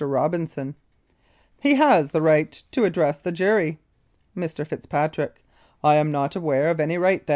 ROBINSON: He has the right to address the jury. Mr. FITZPATRICK: I am not aware of any right then.